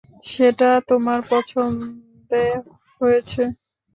সেটা তোমার পছন্দে হয়েছে।